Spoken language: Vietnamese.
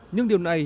nhưng điều này